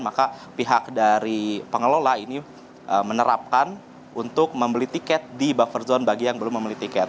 maka pihak dari pengelola ini menerapkan untuk membeli tiket di buffer zone bagi yang belum membeli tiket